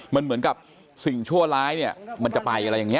มันเหมือนกับสิ่งชั่วร้ายเนี่ยมันจะไปอะไรอย่างนี้